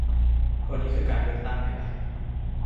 เพราะนึ่คือการเลือกตั้งไงล่ะ